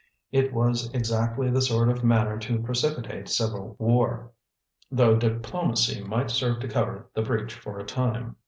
It was exactly the sort of manner to precipitate civil war, though diplomacy might serve to cover the breach for a time.